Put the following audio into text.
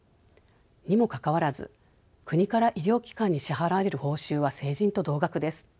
にもかかわらず国から医療機関に支払われる報酬は成人と同額です。